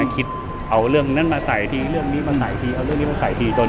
คิดเอาเรื่องนั้นมาใส่ทีเรื่องนี้มาใส่ทีเอาเรื่องนี้มาใส่ทีจน